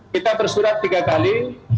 kita tersurat tiga kali